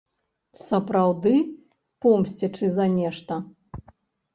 Сапраўды помсцячы за нешта?